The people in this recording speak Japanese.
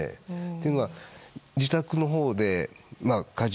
というのは、自宅のほうで火事。